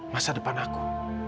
masa depan aku